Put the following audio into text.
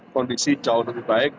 kondisi jauh lebih baik